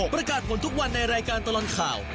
ประกาศผลทุกวันในรายการตลอดข่าว